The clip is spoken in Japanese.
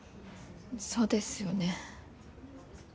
そうですよね。